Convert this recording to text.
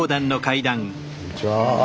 こんにちは。